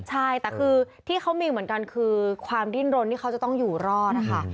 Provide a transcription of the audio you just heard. ใช่แต่คือที่เขามีเหมือนกันคือความดิ้นรนที่เขาจะต้องอยู่รอดนะคะ